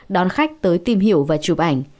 đón khách tới tìm hiểu và chụp ảnh